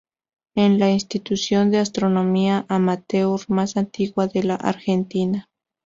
Es la institución de astronomía amateur más antigua de la Argentina.